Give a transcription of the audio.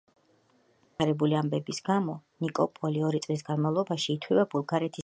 აქ განვითარებული ამბების გამო ნიკოპოლი ორი წლის განმავლობაში ითვლება ბულგარეთის დედაქალაქად.